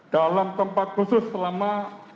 dalam tempat khusus selama